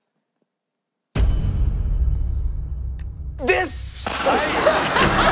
です！